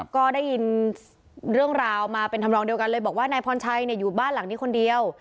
ก็ได้ยินเรื่องราวมาเป็นทำรองเดียวกันเลยบอกว่านายพรชัยอยู่บ้านหลังนี้คนเดียว